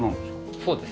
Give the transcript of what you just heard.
そうです。